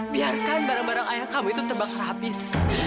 biarkan barang barang ayah kamu itu tebak habis